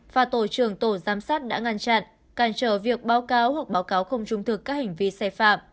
và tổ trưởng tổ giám sát đã ngăn chặn cản trở việc báo cáo hoặc báo cáo không trung thực các hành vi sai phạm